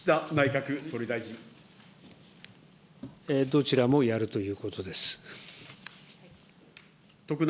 どちらもやるということです。